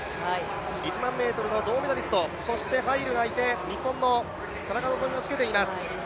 １００００ｍの銅メダリスト、そしてハイルがいて、日本の田中希実もつけています。